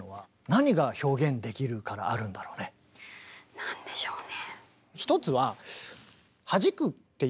何でしょうね。